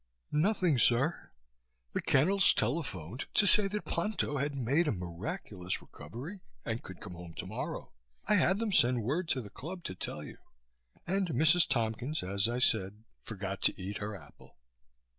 "Nothing, sir. The kennels telephoned to say that Ponto had made a miraculous recovery and could come home tomorrow. I had them send word to the Club to tell you. And Mrs. Tompkins, as I said, forgot to eat her apple."